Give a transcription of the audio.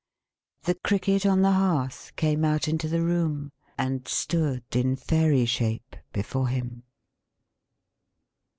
The Cricket on the Hearth came out into the room, and stood in Fairy shape before him.